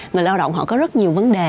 người lao động họ có rất nhiều vấn đề